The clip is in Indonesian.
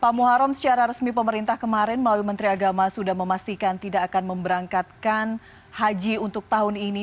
pak muharrem secara resmi pemerintah kemarin melalui menteri agama sudah memastikan tidak akan memberangkatkan haji untuk tahun ini